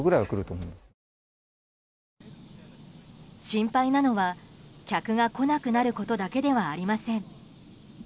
心配なのは客が来なくなることだけではありません。